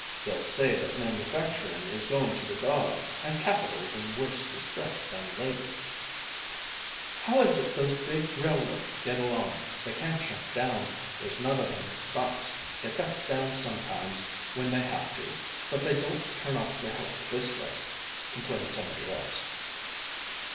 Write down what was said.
"They'll say that manufacturing is going to the dogs, and capital's in worse distress than labor " "How is it those big railroads get along? They can't shut down, there's none o' them stops; they cut down sometimes when they have to, but they don't turn off their help this way," complained somebody else.